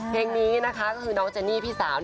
เพลงนี้นะคะก็คือน้องเจนี่พี่สาว